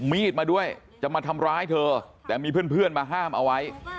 มีดมาด้วยจะมาทำร้ายเธอแต่มีเพื่อนมาห้ามเอาไว้